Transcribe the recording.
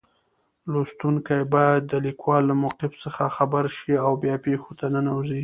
لوستونکی باید د لیکوال له موقف څخه خبر شي او بیا پېښو ته ننوځي.